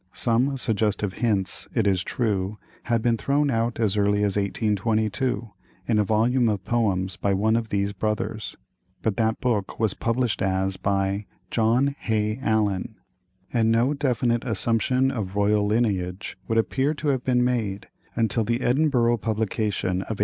Some suggestive hints, it is true, had been thrown out as early as 1822, in a volume of poems by one of these brothers; but that book was published as by "John Hay Allen," and no definite assumption of royal lineage would appear to have been made until the Edinburgh publication of 1847.